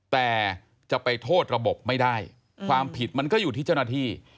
แต่จะไปโทษระบบไม่ได้ความผิดมันก็อยู่ที่เจ้าหน้าที่